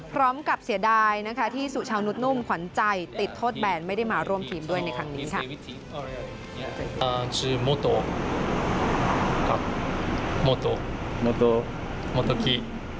พร้อมกับเสียดายที่สุชาวนุ่มขวัญใจติดโทษแบนไม่ได้มาร่วมทีมด้วยในครั้งนี้